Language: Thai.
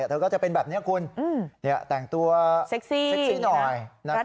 เธอก็จะเป็นแบบนี้คุณแต่งตัวเซ็กซี่หน่อย